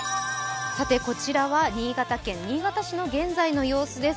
こちらは新潟県新潟市の現在の様子です。